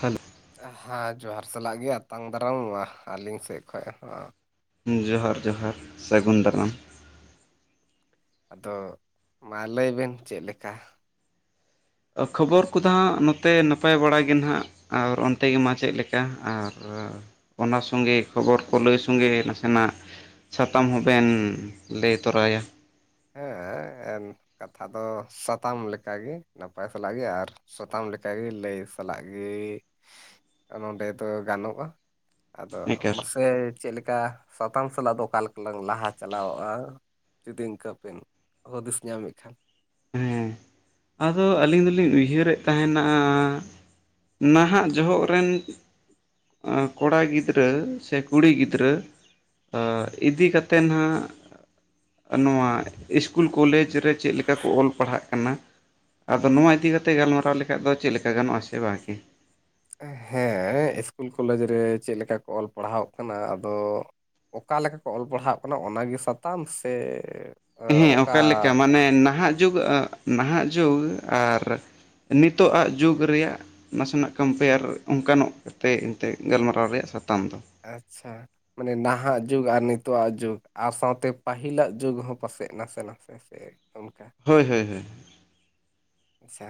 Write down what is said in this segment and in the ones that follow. Hello. ᱦᱟᱸ, ᱡᱚᱦᱟᱨ ᱥᱟᱞᱟᱜ ᱜᱮ ᱟᱛᱟᱝ ᱫᱟᱨᱟᱢ ᱟ ᱟᱹᱞᱤᱧ ᱥᱮᱫ ᱠᱷᱚᱚᱡ ᱦᱚᱸ᱾ ᱩᱸ, ᱡᱚᱦᱟᱨ ᱡᱚᱦᱟᱨ ᱥᱟᱹᱜᱩᱱ ᱫᱟᱨᱟᱢ᱾ ᱟᱫᱚ ᱢᱟ ᱞᱟᱹᱭ ᱵᱮᱱ ᱪᱮᱫ ᱞᱮᱠᱟ? ᱠᱷᱚᱵᱚᱨ ᱠᱚᱫᱚ ᱱᱚᱛᱮ ᱱᱟᱯᱟᱭ ᱵᱟᱲᱟ ᱜᱮ ᱱᱟᱦᱟᱜ᱾ ᱟᱨ ᱚᱱᱛᱮ ᱜᱮ ᱢᱟ ᱪᱮᱫ ᱞᱮᱠᱟ ᱟᱨ ᱚᱱᱟ ᱥᱚᱸᱜᱮ ᱠᱷᱚᱵᱚᱨ ᱠᱚ ᱞᱟᱹᱭ ᱥᱚᱸᱜᱮ ᱱᱟᱥᱮᱱᱟᱜ ᱥᱟᱛᱟᱢ ᱦᱚᱸᱵᱮᱱ ᱞᱟᱹᱭ ᱛᱚᱨᱟᱭᱟ᱾ ᱦᱮᱸ ᱮᱱ ᱠᱟᱛᱷᱟ ᱫᱚ ᱥᱟᱛᱟᱢ ᱞᱮᱠᱟᱟᱜᱮ ᱱᱟᱯᱟᱭ ᱥᱟᱞᱟᱜ ᱜᱮ ᱟᱨ ᱥᱚᱛᱟᱢ ᱞᱮᱠᱟᱟᱜᱮ ᱞᱟᱹᱭ᱾ ᱥᱟᱞᱟᱜ ᱜᱮ ᱱᱚᱸᱰᱮ ᱫᱚ ᱜᱟᱱᱚᱜ-ᱟ ᱟᱫᱚ ᱱᱤᱠᱟᱹᱨ ᱢᱟᱥᱮ᱾ ᱪᱮᱫ ᱞᱮᱠᱟ ᱥᱟᱛᱟᱢ ᱥᱟᱞᱟᱜ ᱫᱚ ᱚᱠᱟ ᱞᱮᱠᱟᱞᱟᱝ ᱞᱟᱦᱟ ᱪᱟᱞᱟᱣᱚᱜ-ᱟ ᱡᱩᱫᱤ ᱤᱝᱠᱟᱹ᱾ ᱵᱮᱱ ᱦᱩᱫᱤᱥ ᱧᱟᱢᱮᱫ ᱠᱷᱟᱱ᱾ ᱦᱩᱸ, ᱟᱫᱚ ᱟᱹᱞᱤᱧ ᱫᱚᱞᱤᱧ ᱩᱭᱦᱟᱹᱨᱮᱫ ᱛᱟᱸᱦᱮᱱᱟ᱾ ᱱᱟᱦᱟᱜ ᱡᱚᱦᱚᱜ ᱨᱮᱱ᱾ ᱠᱚᱲᱟ ᱜᱤᱫᱽᱨᱟᱹ ᱥᱮ ᱠᱩᱲᱤ ᱜᱤᱫᱽᱨᱟᱹ᱾ ᱤᱫᱤ ᱠᱟᱛᱮᱱ ᱦᱟᱸᱜ᱾ ᱱᱚᱣᱟ ᱤᱥᱠᱩᱞ ᱠᱚᱞᱮᱡᱽ ᱨᱮ ᱪᱮᱫ ᱞᱮ ᱠᱟ ᱠᱚ ᱚᱞ ᱯᱟᱲᱦᱟᱜ ᱠᱟᱱᱟ? ᱟᱫᱚ ᱱᱚᱣᱟ ᱤᱫᱤ ᱠᱟᱛᱮ ᱜᱟᱞᱢᱟᱨᱟᱣ ᱞᱮᱠᱷᱟᱡ ᱫᱚ ᱪᱮᱫ ᱞᱮᱠᱟ ᱜᱟᱱᱚᱜ-ᱟ ᱥᱮ ᱵᱟᱝᱜᱮ? ᱦᱮᱸ ᱤᱥᱠᱩᱞ ᱠᱚᱞᱮᱡᱽ ᱨᱮ ᱪᱮᱫ ᱞᱮᱠᱟ ᱠᱚ ᱚᱞ ᱯᱟᱲᱦᱟᱣᱚᱜ ᱠᱟᱱᱟ ᱟᱫᱚ᱾ ᱚᱠᱟ ᱞᱮᱠᱟ ᱠᱚ ᱚᱞ ᱯᱟᱲᱦᱟᱜ ᱠᱟᱱᱟ ᱚᱱᱟᱜᱮ ᱥᱟᱛᱟᱢ? ᱥᱮ ᱚ, ᱦᱮᱸ ᱚᱠᱟ ᱚᱠᱟᱞᱮᱠᱟ ᱢᱟᱱᱮ ᱱᱟᱦᱟᱜ ᱡᱩᱜᱽ, ᱱᱟᱦᱟᱜ ᱡᱩᱜᱽ ᱟᱨ ᱱᱤᱛᱚᱜ ᱟᱜ ᱡᱩᱜᱽ ᱨᱮᱭᱟᱜ ᱱᱟᱥᱮᱱᱟᱜ ᱠᱚᱢᱯᱮᱭᱟᱨ ᱚᱱᱠᱟᱟᱱᱚᱜ ᱠᱟᱛᱮᱫ ᱮᱱᱛᱮᱮᱫ ᱜᱟᱞᱢᱟᱨᱟᱣ ᱨᱮᱭᱟᱜ ᱥᱟᱛᱟᱢ ᱫᱚ᱾ ᱟᱪᱪᱷᱟ᱾ ᱢᱟᱱᱮ ᱱᱟᱦᱟᱜ ᱡᱩᱜᱽ ᱟᱨ ᱱᱤᱛᱳᱜ ᱟᱜ ᱡᱩᱜᱽ ᱟᱨ ᱥᱟᱶᱛᱮ ᱯᱟᱹᱦᱤᱞᱟᱜ ᱡᱩᱜᱽ ᱦᱚᱸ ᱯᱟᱥᱮᱡ ᱱᱟᱥᱮ ᱱᱟᱥᱮ᱾ ᱥᱮ ᱚᱱᱠᱟ? ᱦᱳᱭ ᱦᱳᱭ ᱦᱳᱭ᱾ ᱟᱪᱪᱷᱟ᱾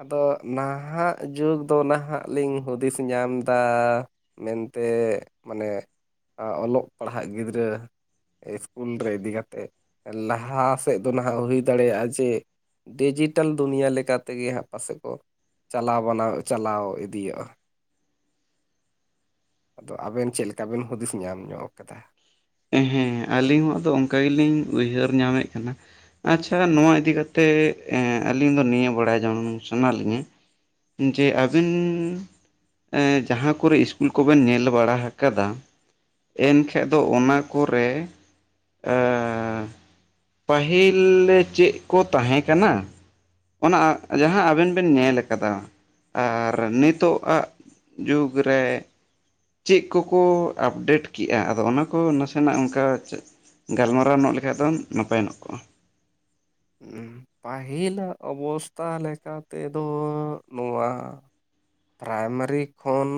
ᱟᱫᱚ ᱱᱟᱦᱟᱜ ᱡᱩᱜᱽ ᱫᱚ ᱱᱟᱦᱟᱜ ᱞᱤᱧ ᱦᱩᱫᱤᱥ ᱧᱟᱢᱫᱟ ᱢᱮᱱ ᱛᱮ ᱢᱟᱱᱮ ᱚᱞᱚᱜ ᱯᱟᱲᱦᱟᱜ ᱜᱤᱫᱽᱨᱟᱹ᱾ ᱤᱥᱠᱩᱞ ᱨᱮ ᱤᱫᱤ ᱠᱟᱛᱮᱫ ᱞᱟᱦᱟ ᱥᱮᱫ ᱫᱚ ᱱᱟᱦᱟᱜ ᱦᱩᱭ ᱫᱟᱲᱮᱭᱟᱜ-ᱟ ᱡᱮ, ᱰᱤᱡᱤᱴᱮᱹᱞ ᱫᱩᱱᱭᱟᱹ ᱞᱮᱠᱟ ᱛᱮᱜᱮ ᱦᱟᱸᱜ ᱯᱟᱥᱮᱡ ᱠᱚ ᱪᱟᱞᱟᱣ ᱵᱟᱱᱟᱣ ᱪᱟᱞᱟᱣ ᱤᱫᱤᱭᱮᱜ-ᱟ᱾ ᱟᱫᱚ ᱟᱵᱮᱱ ᱪᱮᱫ ᱞᱮᱠᱟ ᱵᱮᱱ ᱦᱩᱫᱤᱥ ᱧᱟᱢ ᱧᱚᱜ ᱟᱠᱟᱫᱟ? ᱦᱩᱸ ᱦᱩᱸ ᱟᱹᱞᱤᱧ ᱦᱚᱸ ᱫᱚ ᱚᱱᱠᱟ ᱜᱮᱞᱤᱧ ᱩᱭᱦᱟᱹᱨ ᱧᱟᱢᱮᱫ ᱠᱟᱱᱟ᱾ ᱟᱪᱪᱷᱟ ᱱᱚᱣᱟ ᱤᱫᱤ ᱠᱟᱛᱮᱜ ᱟᱹᱞᱤᱧ ᱫᱚ ᱱᱤᱭᱟᱹ ᱵᱟᱲᱟᱭ ᱡᱚᱝ ᱥᱟᱱᱟ ᱞᱤᱧᱟᱹ᱾ ᱡᱮ ᱟᱹᱵᱤᱱᱺ ᱡᱟᱦᱟᱸ ᱠᱚᱨᱮ ᱤᱥᱠᱩᱞ ᱠᱚᱵᱮᱱ ᱧᱮᱞ ᱵᱟᱲᱟ ᱦᱟᱠᱟᱫᱟ ᱮᱱᱠᱷᱟᱡ ᱫᱚ ᱚᱱᱟ ᱠᱚᱨᱮ ᱮᱸᱻ ᱯᱟᱹᱦᱤᱞ ᱪᱮᱫ ᱠᱚ ᱛᱟᱦᱮᱸ ᱠᱟᱱᱟ? ᱚᱱᱟ ᱡᱟᱦᱟᱸ ᱟᱵᱮᱱ ᱵᱮᱱ ᱧᱮᱞ ᱠᱟᱫᱟ᱾ ᱟᱨ ᱱᱤᱛᱚᱜ-ᱟᱜ ᱡᱩᱜᱽ ᱨᱮ᱾ ᱪᱮᱫ ᱠᱚᱠᱚ ᱟᱯᱰᱮᱴ ᱠᱮᱜᱼᱟ ᱟᱫᱚ ᱚᱱᱟ ᱠᱚ ᱱᱟᱥᱮᱱᱟᱜ ᱚᱱᱠᱟ? ᱜᱟᱞᱢᱟᱨᱟᱣ ᱧᱚᱜ ᱞᱮᱠᱟᱱᱡ ᱫᱚ ᱱᱟᱯᱟᱭ ᱧᱚᱜ ᱠᱚᱜᱼᱟ ᱾ ᱯᱟᱹᱦᱤᱞᱟᱜ ᱚᱵᱚᱥᱛᱷᱟ ᱞᱮᱠᱟ ᱛᱮᱫᱚ ᱱᱚᱣᱟ ᱯᱨᱟᱭᱢᱟᱨᱤ ᱠᱷᱚᱱ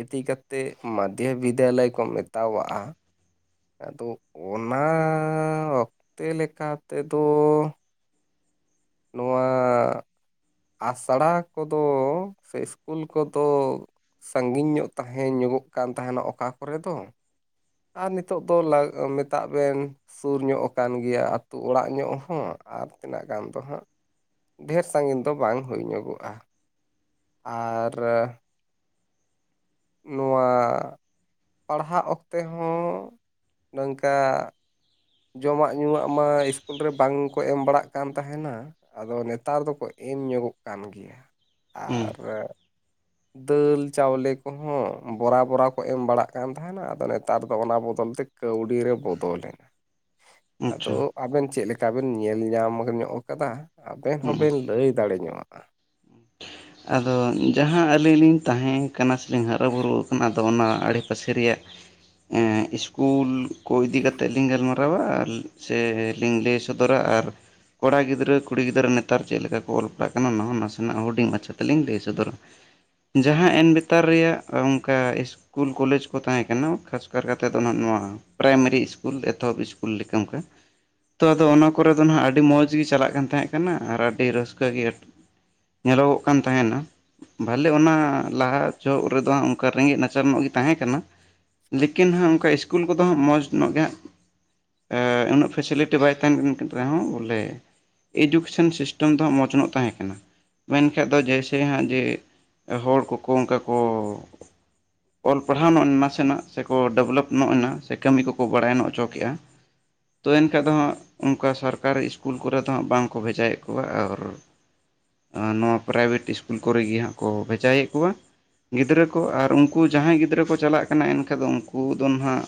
ᱤᱫᱤ ᱠᱟᱛᱮ ᱢᱟᱫᱽᱫᱷᱚ ᱵᱤᱫᱽᱫᱟᱞᱚᱭ ᱠᱚ ᱢᱮᱛᱟᱣᱟᱜᱼᱟ ᱾ ᱟᱫᱚ ᱚᱱᱟᱻ ᱚᱠᱛᱮ ᱞᱮᱠᱟ ᱛᱮᱫᱚᱻ ᱱᱚᱣᱟᱻ ᱟᱥᱲᱟ ᱠᱚᱫᱚ ᱥᱮ ᱥᱤᱥᱠᱩᱞ ᱠᱚᱫᱚ ᱥᱟᱺᱜᱤᱧ ᱧᱚᱜ ᱛᱟᱦᱮᱸ ᱧᱚᱜᱚᱜ ᱠᱟᱱ ᱛᱟᱦᱮᱱᱟ ᱚᱠᱟ ᱠᱚᱨᱮ ᱫᱚ ᱾ ᱟᱨ ᱱᱤᱛᱚᱜ ᱫᱚ ᱢᱮᱛᱟᱜ ᱵᱮᱱ ᱥᱩᱨ ᱧᱚᱜ ᱟᱠᱟᱱ ᱜᱮᱭᱟ ᱟᱹᱛᱩ ᱚᱲᱟᱜ ᱧᱚᱜ ᱦᱚᱸ ᱟᱨ ᱛᱤᱱᱟᱹᱜ ᱜᱟᱱ ᱫᱚ ᱦᱟᱸᱜ ᱰᱷᱮᱨ ᱥᱟᱺᱜᱤᱧ ᱫᱚ ᱵᱟᱝ ᱦᱩᱭ ᱧᱚᱜᱚᱜᱼᱟ ᱾ ᱟᱨ ᱱᱚᱣᱟ ᱯᱟᱲᱦᱟᱜ ᱚᱠᱛᱮ ᱦᱚᱸ ᱱᱚᱝᱠᱟ ᱡᱚᱢᱟᱜ ᱧᱩᱣᱟᱜ ᱢᱟ ᱤᱥᱠᱩᱞ ᱨᱮ ᱵᱟᱝ ᱠᱚ ᱮᱢ ᱵᱟᱲᱟᱜ ᱠᱟᱱ ᱛᱟᱦᱮᱱᱟ ᱾ ᱟᱫᱚ ᱱᱮᱛᱟᱨ ᱫᱚᱠᱚ ᱮᱢ ᱧᱚᱜᱚᱜ ᱠᱟᱱ ᱜᱮᱭᱟ ᱦᱮᱸ ᱟᱨ ᱫᱟᱹᱞ ᱪᱟᱣᱞᱮ ᱠᱚᱦᱚᱸ ᱵᱚᱨᱟ ᱵᱚᱨᱟ ᱠᱚ ᱮᱢ ᱵᱟᱲᱟᱜ ᱠᱟᱱ ᱛᱟᱦᱮᱱᱟ ᱾ ᱟᱫᱚ ᱱᱮᱛᱟᱨ ᱫᱚ ᱚᱱᱟ ᱵᱚᱫᱚᱞ ᱛᱮ ᱠᱟᱹᱣᱰᱤ ᱨᱮ ᱵᱚᱫᱚᱞᱮᱱᱟ ᱾ ᱟᱫᱚ ᱟᱪᱪᱷᱟ ᱟᱵᱮᱱ ᱪᱮᱫ ᱞᱮᱠᱟ ᱵᱮᱮᱱ ᱧᱮᱞ ᱧᱟᱢ ᱧᱚᱜ ᱠᱟᱫᱟ? ᱟᱵᱮᱱ ᱦᱮᱸ ᱦᱚᱸᱵᱮᱱ ᱞᱟᱹᱭ ᱫᱟᱲᱮ ᱧᱚᱜᱼᱟ ᱾ ᱟᱫᱚ ᱡᱟᱦᱟᱸ ᱟᱹᱞᱤᱧ ᱞᱤᱧ ᱛᱟᱦᱮᱸ ᱠᱟᱱᱟ ᱥᱮᱞᱤᱧ ᱦᱟᱨᱟᱼᱵᱩᱨᱩ ᱠᱟᱱᱟ ᱟᱫᱚ ᱚᱱᱟ ᱟᱲᱮᱯᱟᱥᱮ ᱨᱮᱭᱟᱜ ᱥᱤᱥᱠᱩᱞ ᱠᱚ ᱤᱫᱤ ᱠᱟᱛᱮᱫ ᱞᱤᱧ ᱜᱟᱞᱢᱟᱨᱟᱣᱟ ᱟᱨ ᱥᱮ ᱞᱤᱧ ᱞᱟᱹᱭ ᱥᱚᱫᱚᱨᱟ ᱟᱨ ᱠᱚᱲᱟ ᱜᱤᱫᱽᱨᱟᱹ ᱠᱩᱲᱤ ᱜᱤᱫᱽᱨᱟᱹ ᱱᱮᱛᱟᱨ ᱪᱮᱫ ᱞᱮᱠᱟ ᱠᱚ ᱚᱞ ᱯᱟᱲᱟᱜ ᱠᱟᱱᱟ ᱚᱱᱟ ᱦᱚᱸ ᱱᱟᱥᱮᱱᱟᱜ ᱦᱩᱰᱤᱧ ᱢᱟᱪᱷᱟ ᱛᱮᱞᱤᱧ ᱞᱟᱹᱭ ᱥᱚᱫᱚᱨᱟ ᱾ ᱡᱟᱦᱟᱸ ᱮᱱ ᱵᱮᱛᱟᱨ ᱨᱮᱭᱟᱜ ᱚᱱᱠᱟ ᱤᱥ ᱠᱩᱞ ᱠᱚᱞᱮᱡᱽ ᱠᱚ ᱛᱟᱦᱮᱸ ᱠᱟᱱᱟ, ᱠᱷᱟᱥ ᱠᱟᱨ ᱛᱮᱫ ᱫᱚ ᱱᱟᱦᱟᱜ ᱱᱚᱣᱟ ᱯᱨᱟᱭᱢᱟᱨᱤ ᱥᱤᱥᱠᱩᱞ ᱮᱛᱚᱦᱚᱵ ᱤᱥᱠᱩᱞ ᱞᱮᱠᱟ ᱚᱱᱠᱟ ᱛᱚ ᱟᱫᱚ ᱚᱱᱟ ᱠᱚᱨᱮ ᱫᱚ ᱱᱟᱦᱟᱜ ᱟᱹᱰᱤ ᱢᱚᱸᱡᱽ ᱜᱮ ᱪᱟᱞᱟᱜ ᱠᱟᱱ ᱛᱟᱦᱮᱸ ᱠᱟᱱᱟ ᱟᱨ ᱟᱹᱰᱤ ᱨᱟᱹᱥᱠᱟᱹ ᱜᱮ ᱧᱮᱞᱚᱜᱚᱜ ᱠᱟᱱ ᱛᱟᱦᱮᱱᱟ ᱾ ᱵᱷᱟᱞᱮ ᱚᱱᱟ ᱞᱟᱦᱟ ᱪᱚᱜ ᱨᱮᱫᱚ ᱚᱱᱠᱟ ᱨᱮᱸᱜᱮᱡ ᱱᱟᱪᱟᱨ ᱧᱚᱜ ᱜᱮ ᱛᱟᱦᱮᱸ ᱠᱟᱱᱟ ᱾ ᱞᱮᱠᱤᱱ ᱦᱟᱸᱜ ᱚᱱᱠᱟ ᱤᱥᱠᱩᱞ ᱠᱚᱫᱚ ᱦᱟᱸᱜ ᱢᱚᱡᱽ ᱧᱚᱜ ᱜᱮ ᱦᱟᱸᱜ ᱩᱱᱟᱹᱜ ᱯᱷᱮᱥᱮᱞᱤᱴᱤ ᱵᱟᱭ ᱛᱟᱦᱮᱱ ᱨᱮᱦᱚᱸ ᱵᱚᱞᱮ ᱮᱰᱩᱠᱮᱥᱚᱱ ᱥᱤᱥᱴᱮᱢ ᱫᱚ ᱦᱟᱸᱜ ᱢᱚᱸᱡᱽ ᱧᱚᱜ ᱛᱟᱦᱮᱸ ᱠᱟᱱᱟ ᱾ ᱢᱮᱱ ᱵᱟᱠᱷᱟᱱ ᱫᱚ ᱡᱮᱭᱥᱮ ᱦᱟᱸᱜ ᱡᱮ ᱦᱚᱲ ᱠᱚᱠᱚ ᱚᱱᱠᱟ ᱠᱚ [inaudible] ᱚᱞ ᱯᱟᱲᱦᱟᱣ ᱱᱚᱜᱼ ᱱᱟᱥᱮᱱᱟᱜ ᱥᱮᱠᱚ ᱰᱮᱵᱷᱞᱚᱯ ᱧᱚᱜ ᱮᱱᱟ ᱥᱮ ᱠᱟᱹᱢᱤ ᱠᱚᱠᱚ ᱵᱟᱲᱟᱭ ᱱᱚᱜ ᱚᱪᱚ ᱠᱮᱫᱮᱫᱼᱟ ᱾ ᱛᱚ ᱮᱱᱠᱷᱟᱱ ᱫᱚ ᱦᱟᱸᱜ ᱚᱱᱠᱟ ᱥᱚᱨᱠᱟᱨᱤ ᱤᱥᱠᱩᱞ ᱠᱚᱨᱮ ᱫᱚ ᱦᱟᱸᱜ ᱵᱟᱝ ᱠᱚ ᱵᱷᱮᱡᱟᱭᱮᱫ ᱠᱚᱣᱟ ᱟᱨ ᱱᱚᱣᱟ ᱯᱨᱟᱭᱵᱷᱮᱴ ᱤᱥᱠᱩᱞ ᱠᱚᱨᱮ ᱜᱮ ᱦᱟᱸᱜ ᱠᱚ ᱵᱷᱮᱡᱟᱭᱮᱫ ᱠᱚᱣᱟ᱾ ᱜᱤᱫᱽᱨᱟᱹ ᱠᱚ ᱟᱨ ᱩᱱᱠᱩ ᱡᱟᱦᱟᱸᱭ ᱜᱤᱫᱽᱨᱟᱹ ᱠᱚ ᱪᱟᱞᱟᱜ ᱠᱟᱱᱟ ᱮᱱᱠᱷᱟᱡ ᱫᱚ ᱩᱱᱠᱩ ᱫᱚ ᱱᱟᱦᱱᱟᱜ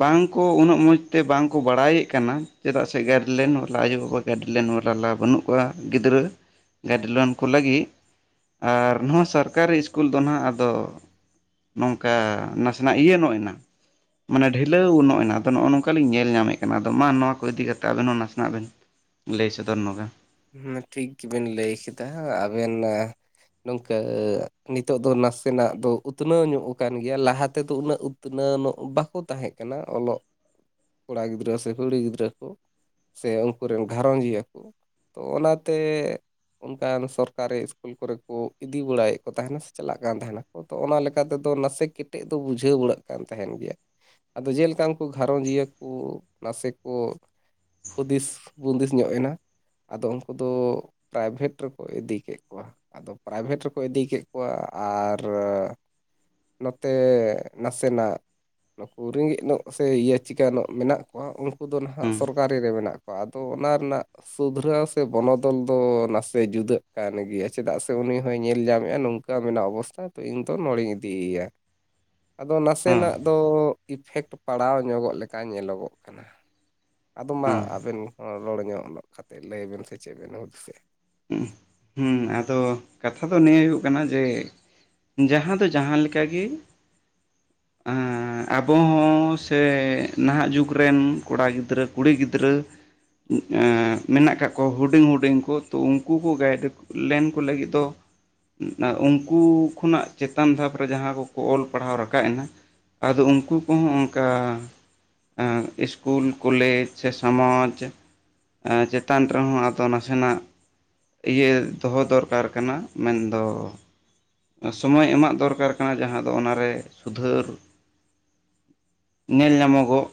ᱵᱟᱝᱠᱚ ᱩᱱᱟᱹᱜ ᱢᱚᱸᱡᱽ ᱛᱮ ᱵᱟᱝᱠᱚ ᱵᱟᱲᱟᱭᱮᱫ ᱠᱟᱱᱟ ᱾ ᱪᱮᱫᱟᱜ ᱥᱮ ᱜᱟᱨᱞᱮᱱ [inaudible] ᱟᱭᱩ-ᱵᱟᱵᱟ ᱜᱟᱹᱰᱤᱞᱱ ᱢᱟᱞᱟ [inaudible] ᱵᱟᱹᱱᱩᱜ ᱠᱚᱣᱟ ᱾ ᱜᱤᱫᱽᱨᱟᱹ ᱜᱟᱹᱰᱤ ᱞᱳᱱ ᱩᱱᱠᱩ ᱞᱟᱹᱜᱤᱫ ᱟᱨ ᱱᱚᱣᱟ ᱥᱚᱨᱠᱟᱨᱤ ᱥᱤᱥᱠᱩᱞ ᱫᱚ ᱱᱟᱦᱟᱜ ᱟᱫᱚ ᱱᱚᱝᱠᱟ ᱱᱟᱥᱮᱱᱟᱜ ᱤᱭᱟᱹ ᱧᱚᱜ ᱮᱱᱟ ᱢᱟᱱᱮ ᱰᱷᱤᱞᱟᱹᱣ ᱱᱚ-ᱜ ᱮᱱᱟ ᱾ ᱟᱫᱚ ᱱᱚᱜᱼᱚ ᱱᱚᱝᱠᱟ ᱞᱤᱧ ᱧᱮᱞ ᱧᱟᱢᱮᱫ ᱠᱟᱱᱟ ᱟᱫᱚ ᱢᱟ ᱱᱚᱣᱟ ᱠᱚ ᱤᱫᱤ ᱠᱟᱛᱮ ᱟᱵᱤᱱ ᱦᱚᱸ ᱱᱟᱥᱮᱱᱟᱜ ᱵᱮᱱ ᱞᱟᱹᱭ ᱥᱚᱫᱚᱨ ᱱᱚᱜᱟ ᱾ ᱦᱮᱸ ᱴᱷᱤᱠ ᱜᱮᱵᱮᱱ ᱞᱟᱹᱭ ᱠᱮᱫᱟ ᱾ ᱟᱵᱮᱱ ᱱᱚᱝᱠᱟ ᱱᱤᱛᱚᱜ ᱫᱚ ᱱᱟᱥᱮᱱᱟᱜ ᱫᱚ ᱩᱛᱱᱟᱹᱣ ᱧᱚᱜ ᱟᱠᱟᱱ ᱜᱮᱭᱟ ᱾ ᱞᱟᱦᱟ ᱛᱮᱫᱚ ᱩᱱᱟᱹᱜ ᱩᱛᱱᱟᱹ ᱱᱚᱜ ᱵᱟᱠᱚ ᱛᱟᱦᱮᱸ ᱠᱟᱱᱟ ᱾ ᱚᱞᱚᱜ ᱠᱚᱲᱟ ᱜᱤᱫᱽᱨᱟᱹ ᱥᱮ ᱠᱩᱲᱤ ᱜᱤᱫᱽᱨᱟᱹ ᱠᱚ, ᱥᱮ ᱩᱱᱠᱩ ᱨᱮᱱ ᱜᱷᱟᱨᱚᱸᱡᱽᱤᱭᱟᱹ ᱠᱚ ᱾ ᱛᱚ ᱚᱱᱟᱛᱮ ᱚᱱᱠᱟᱱ ᱥᱚᱨᱠᱟᱨᱤ ᱤᱥᱠᱩᱞ ᱠᱚᱨᱮ ᱠᱚ ᱤᱫᱤ ᱵᱟᱲᱟᱭᱮᱫ ᱠᱚ ᱛᱟᱦᱮᱱᱟ ᱥᱮ ᱪᱟᱞᱟᱜ ᱠᱟᱱ ᱛᱟᱦᱮᱱᱟ [unintelligible] ᱛᱚ ᱚᱱᱟ ᱞᱮᱠᱟ ᱛᱮᱫᱚ ᱱᱟᱥᱮ ᱠᱮᱴᱮᱡ ᱫᱚ ᱵᱩᱡᱷᱟᱹᱣ ᱵᱟᱲᱟᱜ ᱠᱟᱱ ᱛᱟᱦᱮᱱ ᱜᱮᱭᱟ ᱟᱫᱚ ᱡᱮ ᱞᱮᱠᱟ ᱩᱱᱠᱩ ᱜᱷᱟᱨᱚᱸᱡᱤᱭᱟᱹ ᱠᱚ ᱱᱟᱥᱮ ᱠᱚ ᱦᱩᱫᱤᱥ ᱵᱩᱸᱫᱤᱥ ᱧᱚᱜ ᱮᱱᱟ ᱟᱫᱳ ᱩᱱᱠᱩ ᱫᱚ ᱯᱨᱟᱭᱵᱷᱮᱴ ᱨᱮ ᱠᱚ ᱤᱫᱤ ᱠᱮᱫ ᱠᱚᱣᱟ ᱟᱫᱳ ᱯᱨᱟᱭᱵᱷᱮᱴ ᱨᱮᱠᱚ ᱤᱫᱤ ᱠᱮᱫ ᱠᱚᱣᱟ ᱟᱨ ᱱᱚᱛᱮ ᱱᱟᱥᱮᱱᱟᱜ ᱱᱩᱠᱩ ᱨᱮᱸᱜᱮᱡ ᱧᱚᱜ ᱥᱮ ᱤᱭᱟᱹ ᱪᱤᱠᱟᱹ ᱧᱚᱜ ᱢᱮᱱᱟᱜ ᱠᱚᱣᱟ ᱩᱱᱠᱩ ᱫᱚ ᱱᱟᱦᱟᱸᱜ ᱦᱮᱸ ᱥᱚᱨᱠᱟᱨᱤ ᱨᱮ ᱢᱮᱱᱟᱜ.... ᱠᱟᱣᱟ, ᱟᱫᱚ ᱚᱱᱟ ᱨᱮᱱᱟᱜ ᱥᱩᱫᱷᱨᱟᱹᱜ-ᱟ ᱥᱮ ᱵᱚᱱᱚᱫᱚᱞ ᱫᱚ ᱱᱟᱥᱮ ᱡᱩᱫᱟᱹᱜ ᱠᱟᱱ ᱜᱮᱭᱟ ᱪᱮᱫᱟᱜ ᱥᱮ ᱩᱱᱤ ᱦᱚᱸᱭ ᱧᱮᱞ ᱧᱟᱢᱮᱫᱼᱟ ᱱᱚᱝᱠᱟ ᱱᱳᱸᱠᱟ ᱢᱮᱱᱟᱜ ᱚᱵᱚᱥᱛᱷᱟ ᱛᱚ ᱤᱧ ᱫᱚ ᱱᱚᱲᱮᱧ ᱤᱫᱤᱭᱮᱭᱟ ᱟᱫᱚ ᱦᱮᱸ ᱱᱟᱥᱮᱱᱟᱜ ᱫᱚ ᱤᱯᱷᱮᱠᱴ ᱯᱟᱲᱟᱣ ᱧᱚᱜᱚᱜ ᱞᱮᱠᱟ ᱧᱮᱞᱚᱜᱚᱜ ᱠᱟᱱᱟ ᱟᱫᱚ ᱢᱟ ᱟᱵᱮᱱ ᱦᱚᱸ ᱨᱚᱲ ᱧᱚᱜ ᱱᱚᱜ ᱠᱟᱛᱮᱫ ᱞᱟᱹᱭᱵᱮᱱ ᱥᱮ ᱪᱮᱫ ᱵᱮᱱ ᱦᱩᱫᱤᱥᱮᱫ ᱦᱩᱸ ᱟᱫᱚ ᱠᱟᱛᱷᱟ ᱫᱚ ᱱᱤᱭᱟᱹ ᱜᱮ ᱦᱩᱭᱩᱜ ᱠᱟᱱᱟ ᱡᱮ ᱡᱟᱦᱟᱸ ᱫᱚ ᱡᱟᱦᱟᱸ ᱞᱮᱠᱟ ᱜᱮ [inaudible] ᱟᱸᱻ ᱟᱵᱚ ᱦᱚᱸ ᱥᱮ ᱱᱟᱦᱟᱜ ᱡᱩᱜᱽ ᱨᱮᱱ ᱠᱚᱲᱟ ᱜᱤᱫᱽᱨᱟᱹ ᱠᱩᱲᱤ ᱜᱤᱫᱽᱨᱟᱹ ᱩᱸ.. ᱮᱸ... ᱢᱮᱱᱟᱜ ᱟᱠᱟᱫ ᱠᱚ ᱦᱩᱰᱤᱧ ᱦᱩᱰᱤᱧ ᱠᱚ ᱛᱚ ᱩᱱᱠᱩ ᱠᱚ ᱜᱟᱭᱤᱰ [unintelligible] ᱞᱮᱱ ᱠᱚ ᱞᱟᱹᱜᱤᱫ ᱫᱚ ᱩᱱᱠᱩ ᱠᱷᱚᱱᱟᱜ ᱪᱮᱛᱟᱱ ᱫᱷᱟᱯ ᱨᱮ ᱡᱟᱦᱟᱸ ᱠᱚᱠᱚ ᱚᱞ ᱯᱟᱲᱦᱟᱣ ᱨᱟᱠᱟᱵ ᱮᱱᱟ ᱟᱫᱚ ᱩᱱᱠᱩ ᱠᱚᱦᱚᱸ ᱚᱱᱠᱟ ᱟᱺ... ᱤᱥᱠᱩᱞ ᱠᱚᱞᱮᱡᱽ ᱥᱮ ᱥᱚᱢᱟᱡᱽ ᱟᱸ... ᱪᱮᱛᱟᱱ ᱨᱮᱦᱚᱸ ᱟᱫᱚ ᱱᱟᱥᱮᱱᱟᱜ ᱤᱭᱟᱹ ᱫᱚᱦᱚ ᱫᱚᱨᱠᱟᱨ ᱠᱟᱱᱟ ᱢᱮᱱᱫᱚ ᱥᱚᱢᱚᱭ ᱮᱢᱟᱜ ᱫᱚᱨᱠᱟᱨ ᱠᱟᱱᱟ ᱡᱟᱦᱟᱸ ᱫᱚ ᱚᱱᱟᱨᱮ ᱥᱩᱫᱷᱟᱹᱨ ᱧᱮᱞ ᱧᱟᱢᱚᱜᱚᱜ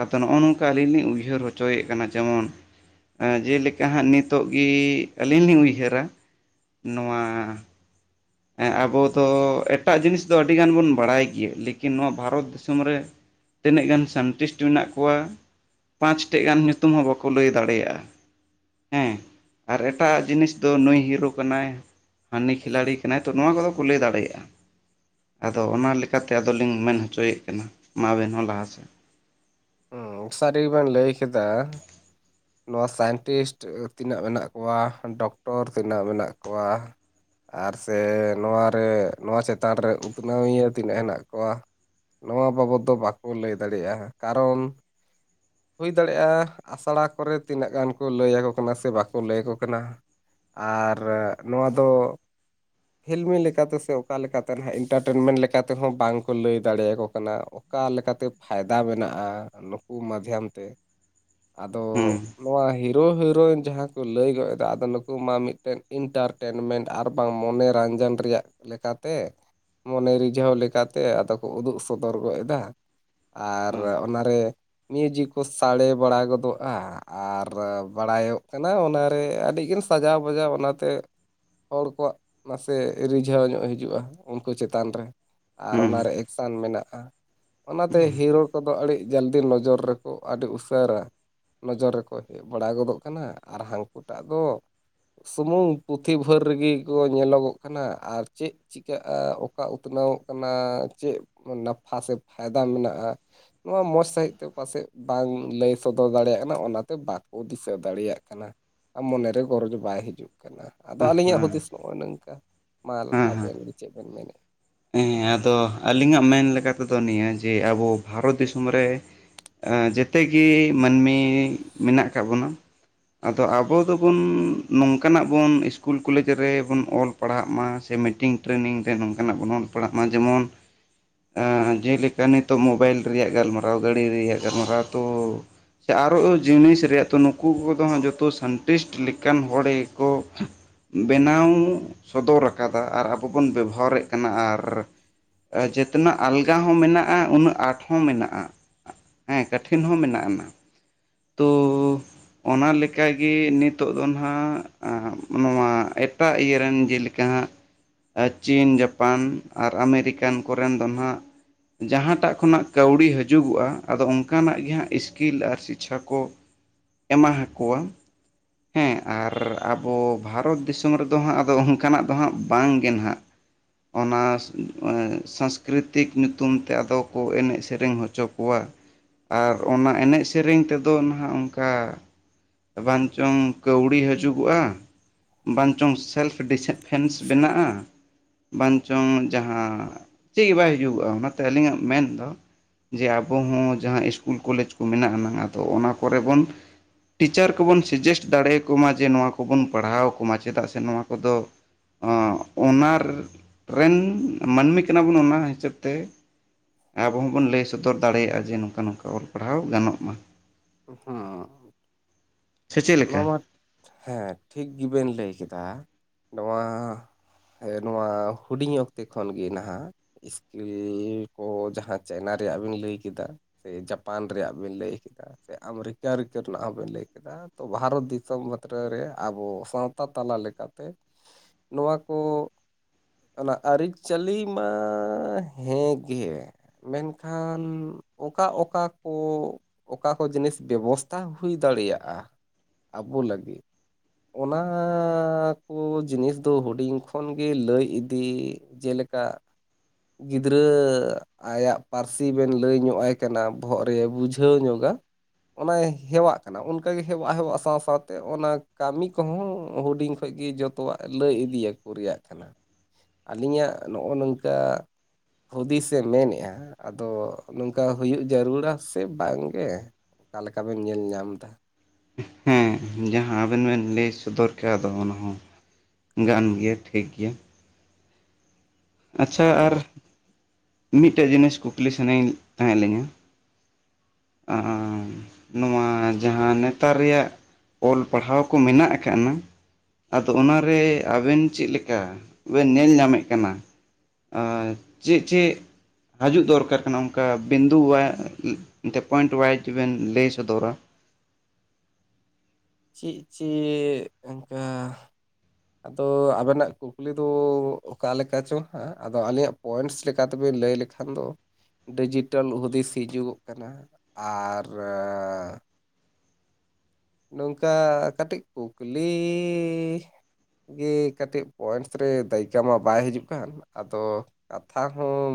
ᱟᱫᱚ ᱱᱚᱜᱼᱚ ᱱᱚᱝᱠᱟ ᱟᱹᱞᱤᱧ ᱞᱤᱧ ᱩᱭᱦᱟᱹᱨ ᱦᱚᱪᱚᱭᱮᱫ ᱠᱟᱱᱟ ᱡᱮᱢᱚᱱ ᱟᱸ... ᱡᱮ ᱞᱮᱠᱟ ᱦᱟᱸᱜ ᱱᱤᱛᱚᱜ ᱜᱤ ᱟᱹᱞᱤᱧ ᱞᱤᱧ ᱩᱭᱦᱟᱹᱨᱟ ᱱᱚᱶᱟ ᱮᱸ ᱟᱵᱚ ᱫᱚ ᱮᱴᱟᱜ ᱡᱤᱱᱤᱥ ᱫᱚ ᱟᱹᱰᱤ ᱜᱟᱱ ᱵᱚᱱ ᱵᱟᱲᱟᱭ ᱜᱮᱭᱟ. ᱞᱮᱠᱤᱱ ᱱᱚᱶᱟ ᱵᱷᱟᱨᱚᱛ ᱫᱤᱥᱚᱢ ᱨᱮ ᱛᱤᱱᱟᱹᱜ ᱜᱟᱱ ᱥᱟ. ᱱᱴᱤᱥᱴ ᱢᱮᱱᱟᱜ ᱠᱚᱣᱟ ᱯᱟᱸᱪ ᱴᱮᱡ ᱜᱟᱱ ᱧᱩᱛᱩᱢ ᱦᱚᱸ ᱵᱟᱠᱚ ᱞᱟᱹᱭ ᱫᱟᱲᱮᱭᱟᱜᱼᱟ ᱦᱮᱸ ᱟᱨ ᱮᱴᱟ ᱟᱜ ᱡᱤᱱᱤᱥ ᱫᱚ ᱱᱩᱭ ᱦᱤᱨᱚ ᱠᱟᱱᱟᱭ ᱦᱟᱹᱱᱤ ᱠᱷᱤᱞᱟᱲᱤ ᱠᱟᱱᱟᱭ ᱛᱚ ᱱᱚᱶᱟ ᱠᱚ ᱫᱚ ᱠᱚ ᱞᱟᱹᱭ ᱫᱟᱲᱮᱭᱟᱜᱼᱟ ᱟᱫᱚ ᱚᱱᱟ ᱞᱮᱠᱟᱛᱮ ᱟᱫᱚᱞᱤᱧ ᱢᱮᱱ ᱦᱚᱪᱚᱭᱮᱫ ᱠᱟᱱᱟ ᱢᱟ ᱟᱵᱮᱱ ᱦᱚᱸ ᱞᱟᱦᱟ ᱥᱮᱫ ᱦᱩᱹ ᱥᱟᱹᱨᱤ ᱜᱮ ᱵᱮᱱ ᱞᱟᱹᱭ ᱠᱮᱫᱟ ᱱᱚᱣᱟ ᱥᱟᱭᱮᱱᱴᱤᱥᱴ ᱛᱤᱱᱟᱹᱜ ᱢᱮᱱᱟᱜ ᱠᱚᱣᱟ ᱰᱚᱠᱴᱚᱨ ᱛᱤᱱᱟᱹᱜ ᱢᱮᱱᱟᱜ ᱠᱚᱣᱟ ᱟᱨ ᱥᱮ ᱱᱚᱣᱟ ᱨᱮ ᱱᱚᱣᱟ ᱪᱮᱛᱟᱱ ᱨᱮ ᱩᱛᱷᱱᱟᱹᱣᱤᱭᱟᱹ ᱛᱤᱱᱟᱹᱜ ᱦᱮᱱᱟᱜ ᱠᱚᱣᱟ ᱱᱚᱣᱟ ᱵᱟᱵᱚᱛ ᱫᱚ ᱵᱟᱠᱚ ᱞᱟᱹᱭ ᱫᱟᱲᱮᱭᱟᱜᱼᱟ ᱠᱟᱨᱚᱱ ᱦᱩᱭ ᱫᱟᱲᱮᱭᱟᱜᱼᱟ ᱟᱥᱲᱟ ᱠᱚᱨᱮ ᱛᱤᱱᱟᱹᱜ ᱜᱟᱱ ᱠᱚ ᱞᱟᱹᱭ ᱟᱠᱚ ᱠᱟᱱᱟ ᱥᱮ ᱵᱟᱠᱚ ᱞᱟᱹᱭ ᱟᱠᱚ ᱠᱟᱱᱟ ᱟᱨ ᱱᱚᱣᱟ ᱫᱚ ᱯᱷᱤᱞᱢᱤ ᱞᱮᱠᱟᱛᱮ ᱥᱮ ᱚᱠᱟ ᱞᱮᱠᱟᱛᱮ ᱱᱟᱦᱟᱜ ᱤᱱᱴᱟᱨᱴᱮᱱᱢᱮᱱᱴ ᱞᱮᱠᱟᱛᱮ ᱦᱚᱸ ᱵᱟᱝᱠᱚ ᱞᱟᱹᱭ ᱫᱟᱲᱮᱭᱟᱠᱚ ᱠᱟᱱᱟ ᱚᱠᱟ ᱞᱮᱠᱟᱛᱮ ᱯᱷᱟᱭᱫᱟ ᱢᱮᱱᱟᱜᱼᱟ ᱱᱩᱠᱩ ᱢᱟᱫᱽᱭᱟᱢ ᱛᱮ ᱟᱫᱚ ᱦᱩᱸ ᱱᱚᱣᱟ ᱦᱤᱨᱚ ᱦᱤᱨᱚᱭᱤᱱ ᱡᱟᱦᱟᱸ ᱠᱚ ᱞᱟᱹᱭ ᱜᱚᱫ ᱮᱫᱟ ᱟᱫᱚ ᱱᱩᱠᱩ ᱢᱟ ᱢᱤᱫᱴᱮᱱ ᱤᱱᱴᱟᱨ ᱴᱮᱱᱢᱮᱱᱴ ᱟᱨ ᱵᱟᱝ ᱢᱚᱱᱮᱨᱟᱱᱡᱟᱱ ᱨᱮᱭᱟᱜ ᱞᱮᱠᱟᱛᱮ ᱢᱚᱱᱮ ᱨᱤᱡᱷᱟᱹᱣ ᱞᱮᱠᱟᱛᱮ ᱟᱫᱚ ᱠᱚ ᱩᱫᱩᱜ ᱥᱚᱫᱚᱨ ᱜᱚᱫ ᱮᱫᱟ ᱟᱨ ᱚᱱᱟᱨᱮ ᱢᱤᱭᱩᱡᱤᱠ ᱠᱚ ᱥᱟᱰᱮ ᱵᱟᱲᱟ ᱜᱚᱫᱚᱜᱼ -ᱟ ᱟᱨ ᱵᱟᱲᱟᱭᱚᱜ ᱠᱟᱱᱟ ᱚᱱᱟᱨᱮ ᱟᱹᱰᱤᱜᱤᱟᱱ ᱥᱟᱡᱟᱣ ᱵᱟᱡᱟᱣ ᱚᱱᱟᱛᱮ ᱦᱚᱲ ᱠᱚᱣᱟᱜ ᱱᱟᱥᱮ ᱨᱤᱡᱷᱟᱹᱣ ᱧᱚᱜ ᱦᱤᱡᱩᱜᱼᱟ ᱩᱱᱠᱩ ᱪᱮᱛᱟᱱ ᱨᱮ ᱟᱨ ᱦᱮᱸ ᱚᱱᱟᱨᱮ ᱮᱠᱥᱮᱱ ᱢᱮᱱᱟᱜᱼᱟ ᱚᱱᱟᱛᱮ ᱦᱮᱸ ᱦᱤᱨᱳ ᱠᱚᱫᱚ ᱟᱹᱰᱤ ᱡᱟᱞᱫᱤ ᱞᱚᱡᱚᱨ ᱨᱮᱠᱚ ᱟᱹᱰᱤ ᱩᱥᱟᱹᱨᱟ ᱞᱚᱡᱚᱨ ᱨᱮᱠᱚ ᱦᱮᱡ ᱵᱟᱲᱟ ᱜᱚᱫᱚᱜ ᱠᱟᱱᱟ ᱟᱨ ᱦᱟᱹᱱᱠᱩ ᱴᱟᱜ ᱫᱚ ᱥᱩᱢᱩᱝ ᱯᱩᱛᱷᱤ ᱵᱷᱳᱨ ᱨᱮᱜᱮ ᱠᱚ ᱧᱮᱞᱚᱜᱚᱜ ᱠᱟᱱᱟ ᱟᱨ ᱪᱮᱜ ᱪᱤᱠᱟᱹᱜᱼᱟ ᱚᱠᱟ ᱩᱛᱱᱟᱹᱣᱚᱜ ᱠᱟᱱᱟ ᱪᱮᱫ ᱱᱟᱯᱷᱟ ᱥᱮ ᱯᱷᱟᱭᱫᱟ ᱢᱮᱱᱟᱜᱼᱟ ᱱᱚᱣᱟ ᱢᱚᱸᱡᱽ ᱥᱟᱹᱦᱤᱡ ᱛᱮ ᱯᱟᱥᱮ ᱵᱟᱝ ᱞᱟᱹᱭ ᱥᱚᱫᱚᱨ ᱫᱟᱲᱮᱭᱟᱜᱢ ᱚᱱᱟᱛᱮ ᱵᱟᱠᱚ ᱫᱤᱥᱟᱹ ᱫᱟᱲᱮᱭᱟᱜ ᱠᱟᱱᱟ ᱢᱚᱱᱮᱨᱮ ᱜᱚᱨᱚᱡᱽ ᱵᱟᱭ ᱦᱤᱡᱩᱜ ᱠᱟᱱᱟ ᱟᱫᱚ ᱟᱹᱞᱤᱧᱟᱜ ᱦᱮᱸ ᱦᱩᱫᱤᱥ ᱚᱱᱜᱚᱭ ᱱᱚᱝᱠᱟ ᱢᱟᱞ ᱦᱮᱸ ᱦᱮᱸ ᱟᱵᱮᱱ ᱜᱮ ᱪᱮᱫ ᱵᱮᱱ ᱢᱮᱱᱮ ᱦᱮᱸ ᱟᱫᱚ ᱟᱹᱞᱤᱧᱟᱜ ᱢᱮᱱ ᱞᱮᱠᱟᱛᱮᱫᱚ ᱱᱤᱭᱟᱹ ᱡᱮ ᱟᱵᱚ ᱵᱷᱟᱨᱚᱛ ᱫᱤᱥᱚᱢ ᱨᱮ ᱮᱜ ᱡᱮᱛᱮ ᱜᱮ ᱢᱟᱹᱱᱢᱤ ᱢᱮᱱᱟᱜ ᱟᱠᱟᱫ ᱵᱚᱱᱟ ᱟᱫᱚ ᱟᱵᱚ ᱫᱚᱵᱚᱱ ᱱᱚᱝᱠᱟᱱᱟᱜ ᱵᱚᱱ ᱤᱥᱠᱩᱞ ᱠᱚᱞᱮᱡᱽ ᱨᱮᱵᱚᱱ ᱚᱞ ᱯᱟᱲᱦᱟᱜ ᱢᱟ ᱥᱮ ᱢᱤᱴᱤᱝ ᱴᱨᱮᱱᱤᱝ ᱛᱮ ᱱᱚᱝᱠᱟᱱᱟᱜ ᱵᱚᱱ ᱚᱞ ᱯᱟᱲᱦᱟᱜ ᱢᱟ ᱡᱮᱢᱚᱱ ᱮ ᱡᱮᱞᱮᱠᱟ ᱱᱤᱛᱚᱜ ᱢᱳᱵᱟᱭᱤᱞ ᱨᱮᱭᱟᱜ ᱜᱟᱞᱢᱟᱨᱟᱣ ᱜᱟᱹᱲᱤ ᱨᱮᱭᱟᱜ ᱜᱟᱞᱢᱟᱨᱟᱣ ᱛᱳ ᱥᱮ ᱟᱨᱚ ᱚ ᱡᱤᱱᱤᱥ ᱨᱮᱭᱟᱜ ᱛᱚ ᱱᱩᱠᱩ ᱠᱚᱫᱚ ᱦᱟᱸᱜ ᱡᱚᱛᱚ ᱥᱟᱱᱴᱤᱥ ᱞᱮᱠᱟᱱ ᱦᱚᱲ ᱜᱮᱠᱚ ᱵᱮᱱᱟᱣ ᱥᱚᱫᱚᱨ ᱟᱠᱟᱫᱟ ᱟᱨ ᱟᱵᱚ ᱵᱚᱱ ᱵᱮᱵᱚᱦᱟᱨᱮᱫ ᱠᱟᱱᱟ ᱟᱨ ᱟᱨ ᱮ ᱡᱮᱛᱮᱱᱟᱜ ᱟᱞᱜᱟ ᱦᱚᱸ ᱢᱮᱱᱟᱜᱼᱟ ᱩᱱᱟᱹᱜ ᱟᱸᱴ ᱦᱚᱸ ᱢᱮᱱᱟᱜᱼᱟ ᱦᱮ ᱠᱟᱴᱷᱤᱱ ᱦᱚᱸ ᱢᱮᱱᱟᱜ ᱟᱱᱟ ᱛᱚ ᱚᱱᱟ ᱞᱮᱠᱟᱜᱮ ᱱᱤᱛᱳ ᱫᱚ ᱱᱟᱦᱟᱜ ᱟ ᱱᱚᱣᱟ ᱮᱴ ᱴᱟᱜ ᱤᱭᱟᱹᱨᱮᱱ ᱡᱮᱞᱮᱠᱟ ᱦᱟᱸᱜ ᱮ ᱪᱤᱱ ᱡᱟᱯᱟᱱ ᱟᱨ ᱟᱢᱮᱨᱤᱠᱟᱱ ᱠᱚᱨᱮᱱ ᱫᱚ ᱱᱟᱸᱜ ᱡᱟᱦᱟᱸᱴᱟᱜ ᱠᱷᱚᱱᱟᱜ ᱠᱟᱹᱣᱰᱤ ᱦᱤᱡᱩᱜᱚᱜᱼᱟ ᱟᱫᱚ ᱚᱱᱠᱟᱱᱟᱜ ᱜᱮ ᱦᱟᱸᱜ ᱤᱥᱠᱤᱞ ᱟᱨ ᱪᱤ ᱪᱷᱟ ᱠᱚ ᱮᱢᱟ ᱦᱟᱠᱚᱣᱟ ᱦᱮᱸ ᱟᱨ ᱟᱵᱚ ᱵᱷᱟᱨᱚᱛ ᱫᱤᱥᱚᱢ ᱨᱮᱫᱚ ᱦᱟᱸᱜ ᱟᱫᱚ ᱚᱱᱠᱟᱱᱟᱜ ᱫᱚ ᱦᱟᱸᱜ ᱵᱟᱝᱜᱮ ᱱᱟᱦᱟᱜ ᱚᱱᱟᱥ ᱢᱟᱱᱮ ᱥᱟᱝᱥᱠᱨᱤᱛᱤᱠ ᱧᱩᱛᱩᱢ ᱛᱮ ᱟᱫᱚ ᱠᱚ ᱮᱱᱮᱡ ᱥᱮᱨᱮᱧ ᱦᱚᱪᱚ ᱠᱚᱣᱟ ᱟᱨ ᱚᱱᱟ ᱮᱱᱮᱡ ᱥᱮᱨᱮᱧ ᱛᱮᱫᱚ ᱱᱟᱦᱟᱸᱜ ᱚᱱᱠᱟ ᱵᱟᱝ ᱪᱚᱝ ᱠᱟᱹᱣᱲᱤ ᱦᱤᱡᱩᱜᱚᱜᱼᱟ ᱵᱟᱝ ᱪᱚᱝ ᱥᱮᱞᱯᱴᱤᱥᱮ ᱯᱷᱮᱱᱥ ᱵᱮᱱᱟᱜ-ᱟ ᱵᱟᱧᱪᱚᱝ ᱡᱟᱦᱟᱸ ᱪᱮᱫ ᱜᱮ ᱵᱟᱭ ᱦᱩᱡᱩᱜᱩᱜᱼᱟ ᱚᱱᱟᱛᱮ ᱟᱹᱞᱤᱧᱟᱜ ᱢᱮᱱᱫᱚ ᱡᱮ ᱟᱵᱚ ᱦᱚ ᱡᱟᱦᱟ ᱤᱥᱠᱩᱞ ᱠᱚᱞᱮᱡᱽ ᱠᱚ ᱢᱮᱱᱟᱜ ᱟᱱᱟᱝ ᱟᱫᱚ ᱚᱱᱟ ᱠᱚᱨᱮ ᱵᱚᱱ ᱴᱤᱪᱟᱨ ᱠᱚᱵᱚᱱ ᱥᱮᱡᱮᱥᱴ ᱫᱟᱲᱮ ᱟᱠᱚ ᱢᱟ ᱡᱮ ᱱᱚᱣᱟ ᱠᱚᱵᱚᱱ ᱯᱟᱲᱦᱟᱣ ᱠᱚᱢᱟ ᱪᱮᱫᱟᱜ ᱥᱮ ᱱᱚᱣᱟ ᱠᱚᱫᱚ ᱚ ᱚᱱᱟᱨ ᱨᱮᱱ ᱢᱟᱹᱱᱢᱤ ᱠᱟᱱᱟ ᱵᱚᱱ ᱚᱱᱟ ᱦᱤᱥᱟᱹᱵᱽ ᱛᱮ ᱟᱵᱚ ᱦᱚᱸᱵᱚᱱ ᱞᱟᱹᱭ ᱥᱚᱫᱚᱨ ᱫᱟᱲᱮᱭᱟᱜᱼᱟ ᱡᱮ ᱱᱚᱝᱠᱟ ᱱᱚᱝᱠᱟ ᱚᱞ ᱯᱟᱲᱦᱟᱣ ᱜᱟᱱᱚᱜ ᱢᱟ ᱩᱦᱩ ᱥᱮ ᱪᱮᱫ ᱞᱮᱠᱟ ᱞᱚᱢᱟ ᱦᱮᱸ ᱴᱷᱤᱠ ᱜᱮᱵᱮᱱ ᱞᱟᱹᱭ ᱠᱮᱫᱟ ᱱᱚᱣᱟ ᱮ ᱱᱚᱣᱟ ᱦᱩᱰᱤᱧ ᱚᱠᱛᱮ ᱠᱷᱚᱱ ᱜᱮ ᱱᱟᱦᱟᱜ ᱤᱥᱠᱤᱞ ᱠᱚ ᱡᱟᱦᱟ ᱪᱟᱭᱱᱟ ᱨᱮᱭᱟᱜ ᱵᱤᱱ ᱞᱟᱹᱭ ᱠᱮᱫᱟ ᱥᱮ ᱡᱟᱯᱟᱱ ᱨᱮᱭᱟᱜ ᱵᱮᱱ ᱞᱟᱹᱭ ᱠᱮᱫᱟ ᱥᱮ ᱟᱢᱨᱤᱠᱟᱨᱤᱠᱟᱱᱟᱜᱹ ᱨᱮᱱᱟᱜ ᱦᱚᱸᱵᱮᱱ ᱞᱟᱹᱭ ᱠᱮᱫᱟ ᱛᱚ ᱵᱷᱟᱨᱚᱛ ᱫᱤᱥᱚᱢ ᱵᱟᱛᱨᱮ ᱨᱮᱭᱟ ᱟᱵᱚ ᱥᱟᱶᱛᱟ ᱛᱟᱞᱟ ᱞᱮᱠᱟᱛᱮ ᱱᱚᱣᱟ ᱠᱚ ᱚᱱᱟ ᱟᱹᱨᱤᱪᱟᱹᱞᱤ ᱢᱟ ᱦᱮ ᱜᱮ ᱢᱮᱱᱠᱷᱟᱱ ᱚᱠᱟ ᱚᱠᱟ ᱠᱚ ᱚᱠᱟ ᱠᱚ ᱡᱤᱱᱤᱥ ᱵᱮᱵᱚᱥᱛᱟ ᱦᱩᱭ ᱫᱟᱲᱮᱭᱟᱜᱼᱟ ᱟᱵᱚ ᱞᱟᱹᱜᱤᱫ ᱚᱱᱟ ᱠᱚ ᱡᱤᱱᱤᱥ ᱫᱚ ᱦᱩᱰᱤᱧ ᱠᱷᱚᱱ ᱜᱮ ᱞᱟᱹᱭ ᱤᱫᱤ ᱡᱮᱞᱮᱠᱟ ᱜᱤᱫᱽᱨᱟᱹ ᱟᱭᱟᱜ ᱯᱟᱹᱨᱥᱤ ᱵᱮᱱ ᱞᱟᱹᱭ ᱧᱚᱜ ᱟᱭ ᱠᱟᱱᱟ ᱵᱚᱦᱚᱜ ᱨᱮ ᱵᱩᱡᱷᱟᱹᱣ ᱧᱚᱜᱟ ᱾ ᱚᱱᱟᱭ ᱦᱮᱣᱟᱜ ᱠᱟᱱᱟ ᱚᱱᱠᱟᱜᱮ ᱦᱮᱣᱟᱜᱼᱦᱮᱣᱟᱜ ᱥᱟᱶᱼᱥᱟᱶᱛᱮ ᱚᱱᱟ ᱠᱟᱹᱢᱤ ᱠᱚᱦᱚᱸ ᱦᱩᱰᱤᱧ ᱠᱷᱚᱡ ᱜᱮ ᱡᱚᱛ ᱛᱚᱣᱟᱜ ᱞᱟᱹᱭ ᱤᱫᱤᱭᱟᱠᱚ ᱨᱮᱭᱟᱜ ᱠᱟᱱᱟ ᱾ ᱟᱹᱞᱤᱧᱟᱜ ᱱᱚᱜᱼᱚ ᱱᱚᱝᱠᱟ ᱦᱩᱫᱤᱥᱮ ᱢᱮᱱᱮᱜᱼᱟ ᱾ ᱟᱫᱚ ᱱᱚᱝᱠᱟ ᱦᱩᱭᱩᱜ ᱡᱟᱹᱨᱩᱲᱟ ᱥᱮ ᱵᱟᱝᱜᱮ? ᱚᱠᱟ ᱞᱮᱠᱟ ᱵᱮᱱ ᱧᱮᱞ ᱧᱟᱢ ᱫᱟ᱾ ᱦᱮᱸ ᱡᱟᱦᱟᱸ ᱟᱵᱮᱱ ᱵᱮᱱ ᱞᱟᱹᱭ ᱥᱚᱫᱚᱨ ᱠᱮᱜᱼᱟ ᱫᱚ ᱚᱱᱟ ᱦᱚᱸ ᱜᱟᱱ ᱜᱮᱭᱟ ᱴᱷᱤᱠ ᱜᱮᱭᱟ ᱾ ᱟᱪᱪᱷᱟ ᱟᱫᱚ ᱟᱨ ᱢᱤᱫᱴᱮᱡ ᱡᱤᱱᱤᱥ ᱠᱩᱠᱞᱤ ᱥᱟᱱᱟᱧ ᱛᱟᱦᱮᱸ ᱞᱮᱱᱟ᱾ ᱟᱨ ᱱᱚᱣᱟ ᱡᱟᱦᱟᱸ ᱱᱮᱛᱟᱨ ᱨᱮᱭᱟᱜ ᱚᱞ ᱯᱟᱲᱦᱟᱣ ᱠᱚ ᱢᱮᱱᱟᱜ ᱟᱠᱟᱜ-ᱱᱟ᱾ ᱟᱫᱚ ᱚᱱᱟᱨᱮ ᱟᱵᱮᱱ ᱪᱮᱫ ᱞᱮᱠᱟ ᱵᱮᱱ ᱧᱮᱞ ᱧᱟᱢᱮᱫ ᱠᱟᱱᱟ? ᱟᱸ, ᱪᱮᱫ ᱪᱮᱫ ᱦᱟᱡᱩᱜ ᱫᱚᱨᱠᱟᱨ ᱠᱟᱱᱟ? ᱚᱱᱠᱟ ᱵᱤᱱᱫᱩᱣᱟᱜ ᱢᱮᱱᱛᱮ ᱯᱚᱭᱮᱱᱴ ᱚᱣᱟᱭᱤᱡ ᱵᱮᱱ ᱞᱟᱹᱭ ᱥᱚᱫᱚᱨᱟ᱾ ᱪᱮᱫ ᱪᱮᱫ ᱚᱝᱠᱟ? ᱛᱚ, ᱟᱵᱮᱱᱟᱜ ᱠᱩᱠᱞᱤ ᱫᱚ ᱚᱠᱟ ᱞᱮᱠᱟ ᱪᱚ? ᱦᱮᱸ, ᱟᱫᱚ ᱟᱹᱞᱤᱧᱟᱜ ᱯᱚᱭᱮᱱᱴᱥ ᱞᱮᱠᱟ ᱛᱮᱵᱮᱱ ᱞᱟᱹᱭ ᱞᱮᱠ ᱠᱷᱟᱱ ᱫᱚ ᱰᱤᱡᱤᱴᱮᱞ ᱦᱩᱫᱤᱥ ᱦᱤᱡᱩᱜᱚᱜ ᱠᱟᱱᱟ᱾ ᱟᱨ ᱱᱚᱝᱠᱟ ᱠᱟᱹᱴᱤᱡ ᱠᱩᱠᱞᱤ ᱜᱮ ᱠᱟᱹᱴᱤᱡ ᱯᱚᱭᱮᱱᱴᱥ ᱨᱮ ᱫᱟᱹᱭᱠᱟ ᱢᱟ ᱵᱟᱭ ᱦᱤᱡᱩᱜ ᱠᱟᱱ᱾ ᱟᱫᱚ ᱠᱟᱛᱷᱟ ᱦᱚᱸ